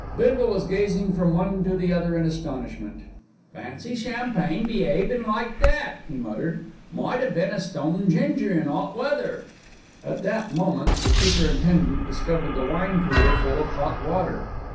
Bindle was gazing from one to the other in astonishment. "Fancy champagne be'avin' like that," he muttered. "Might 'ave been a stone ginger in 'ot weather." At that moment the superintendent discovered the wine cooler full of hot water.